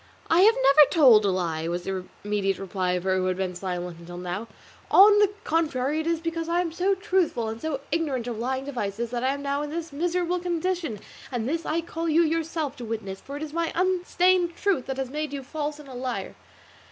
"I have never told a lie," was the immediate reply of her who had been silent until now; "on the contrary, it is because I am so truthful and so ignorant of lying devices that I am now in this miserable condition; and this I call you yourself to witness, for it is my unstained truth that has made you false and a liar."